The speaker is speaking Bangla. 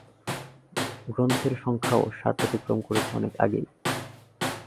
গ্রন্থের সংখ্যাও ষাট অতিক্রম করেছে অনেক আগেই।